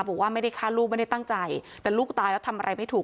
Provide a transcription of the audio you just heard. บอกว่าไม่ได้ฆ่าลูกไม่ได้ตั้งใจแต่ลูกตายแล้วทำอะไรไม่ถูก